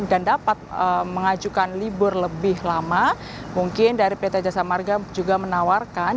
dan dapat mengajukan libur lebih lama mungkin dari pt jasa marga juga menawarkan